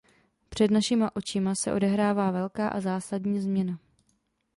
Před našima očima se odehrává velká a zásadní změna.